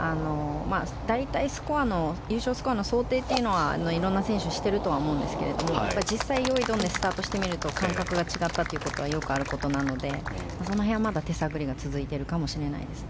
大体、優勝スコアの想定をいろんな選手しているとは思うんですが実際スタートしてみると感覚が違ったということはよくあることなのでその辺はまだ手探りが続いているかもしれないです。